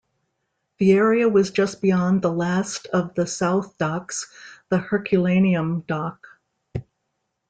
The area was just beyond the last of the South Docks, the Herculaneum Dock.